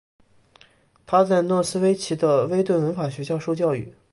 他在诺斯威奇的威顿文法学校受教育。